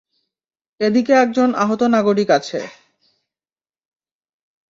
এদিকে একজন আহত নাগরিক আছে।